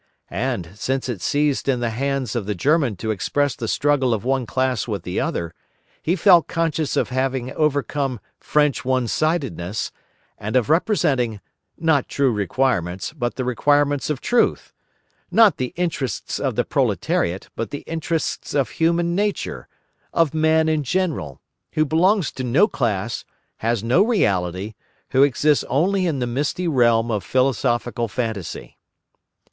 And, since it ceased in the hands of the German to express the struggle of one class with the other, he felt conscious of having overcome "French one sidedness" and of representing, not true requirements, but the requirements of truth; not the interests of the proletariat, but the interests of Human Nature, of Man in general, who belongs to no class, has no reality, who exists only in the misty realm of philosophical fantasy.